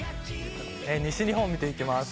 西日本見ていきます。